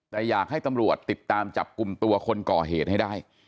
แต่อยากให้ตำรวจติดตามจับกลุ่มตัวคนก่อเหตุให้ได้